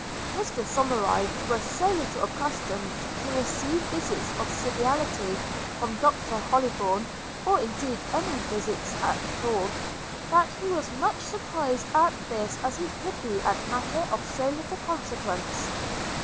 Mr Somerive was so little accustomed to receive visits of civility from Doctor Hollybourn, or indeed any visits at all, that he was as much surprised at this as he could be at a matter of so little consequence.